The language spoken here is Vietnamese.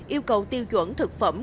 yêu cầu tiêu chuẩn thực phẩm